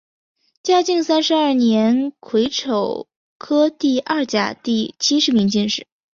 嘉靖三十二年癸丑科第二甲第七十名进士。